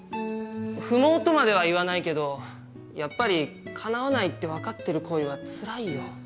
不毛とまでは言わないけどやっぱり叶わないって分かってる恋はつらいよ。